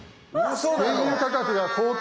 「原油価格が高騰」。